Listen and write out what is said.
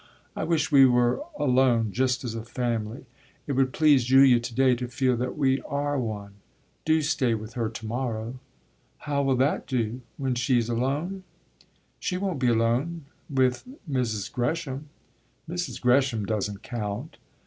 "I wish we were alone just as a family. It would please Julia to day to feel that we are one. Do stay with her to morrow." "How will that do when she's alone?" "She won't be alone, with Mrs. Gresham." "Mrs. Gresham doesn't count."